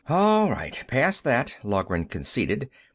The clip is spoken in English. "ALL RIGHT. Pass that," Loughran conceded.